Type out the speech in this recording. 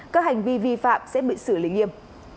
các hành vi vi phạm sẽ bị xử lý nghiêm